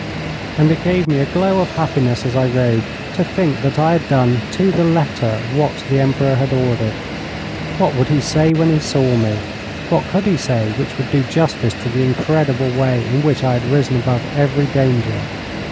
And it gave me a glow of happiness, as I rode, to think that I had done to the letter what the Emperor had ordered. What would he say when he saw me? What could he say which would do justice to the incredible way in which I had risen above every danger?